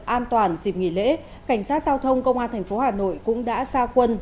an toàn dịp nghỉ lễ cảnh sát giao thông công an tp hà nội cũng đã xa quân